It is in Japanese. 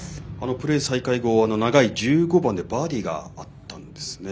プレー再開後、長い１５番でバーディーがあったんですね。